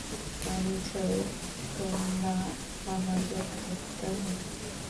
আমি চাই তোমরা আমার জন্য গর্বিত হও।